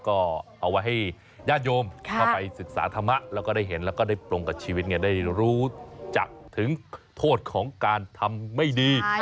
ก็เอาไว้ให้ญาติโยมเข้าไปศึกษาธรรมะแล้วก็ได้เห็นแล้วก็ได้ปรงกับชีวิตไงได้รู้จักถึงโทษของการทำไม่ดี